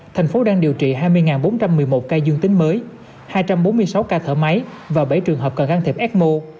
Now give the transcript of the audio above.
thành phố đang điều trị hai mươi bốn trăm một mươi một ca dương tính mới hai trăm bốn mươi sáu ca thở máy và bảy trường hợp cần can thiệp ecmo